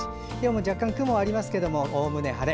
若干雲もありますがおおむね晴れ。